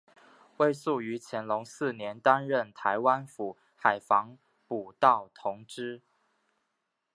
魏素于乾隆四年担任台湾府海防补盗同知。